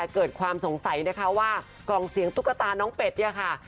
เกิดความสงสัยนะคะว่ากล่องเสียงตุ๊กตาน้องเป็ดเนี่ยค่ะ